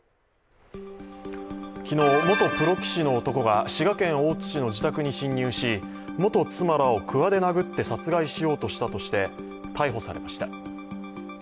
昨日、元プロ棋士の男が滋賀県大津市の自宅に侵入し元妻らをくわで殴って殺害しようとしたとして逮捕されました。